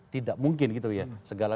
tidak mungkin gitu ya